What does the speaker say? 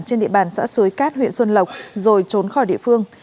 trên địa bàn xã suối cát huyện xuân lộc rồi trốn khỏi địa phương